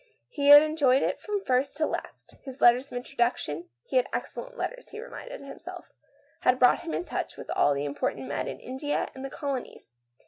He had enjoyed it from first to last. His letters of introduction — he had had excellent letters, he reminded himself — had brought him in touch with all the important men in India and the Colonies.